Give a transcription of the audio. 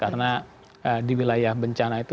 karena di wilayah bencana itu